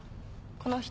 この人？